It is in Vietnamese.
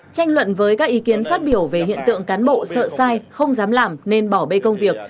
tranh luận với các ý kiến phát biểu về hiện tượng cán bộ sợ sai không dám làm nên bỏ bê công việc